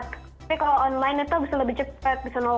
tapi kalau online itu bisa lebih cepat bisa satu